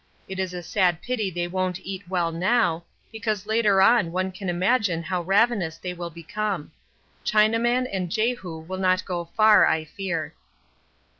It is a sad pity they won't eat well now, because later on one can imagine how ravenous they will become. Chinaman and Jehu will not go far I fear.